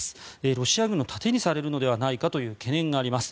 ロシア軍の盾にされるのではないかという懸念があります。